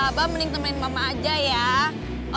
abah mending temenin mama aja ya